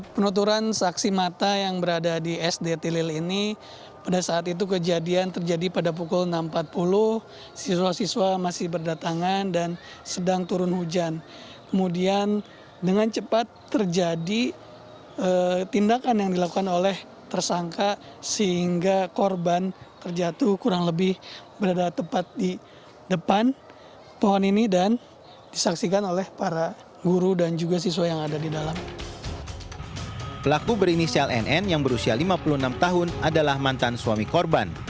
pelaku berinisial nn yang berusia lima puluh enam tahun adalah mantan suami korban